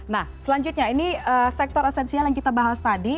nah selanjutnya ini sektor esensial yang kita bahas tadi